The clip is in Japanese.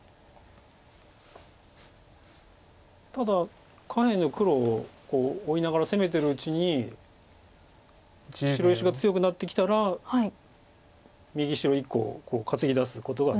ただ下辺の黒を追いながら攻めてるうちに白石が強くなってきたら右白１個担ぎ出すことができそうですよね。